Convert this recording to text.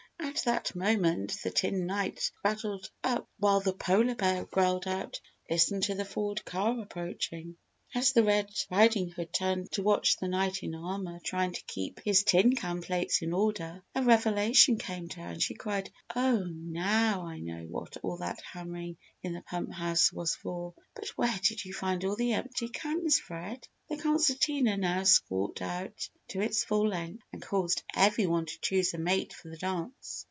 At that moment the Tin Knight rattled up while the Polar Bear growled out, "Listen to the Ford Car approaching." As Red Riding Hood turned to watch the Knight in Armour trying to keep his tin can plates in order, a revelation came to her and she cried, "Oh, now I know what all that hammering in the pump house was for! But where did you find all the old empty cans, Fred?" The concertina now squawked out to its full length and caused every one to choose a mate for the dance.